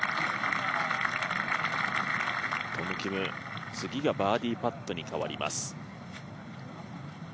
トム・キム、次がバーディーパットに変わります。